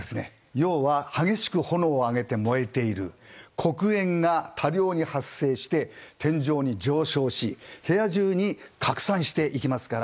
要は激しく炎を上げて燃えていると黒煙が多量に発生して天井に上昇し部屋中に拡散していきますから。